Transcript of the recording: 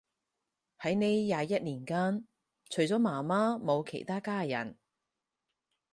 喺呢廿一年間，除咗媽媽冇其他家人